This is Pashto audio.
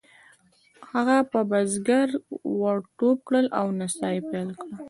هغه په بزګر ور ټوپ کړل او نڅا یې پیل کړه.